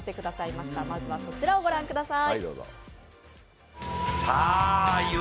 まずはそちらを御覧ください。